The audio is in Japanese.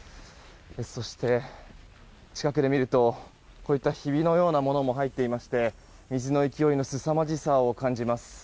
そして、近くで見るとひびのようなものも入っていて水の勢いのすさまじさを感じます。